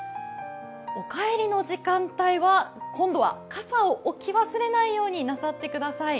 お帰りの時間帯は今度は傘を置き忘れないようになさってください。